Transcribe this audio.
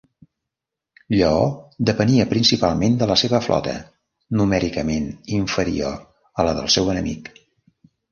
Lleó depenia principalment de la seva flota, numèricament inferior a la del seu enemic.